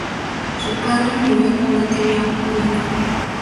Su padre murió cuando tenía un año.